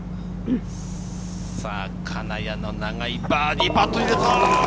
金谷の長いバーディーパット、入れた！